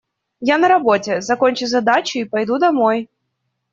Я на работе, закончу задачу и пойду домой.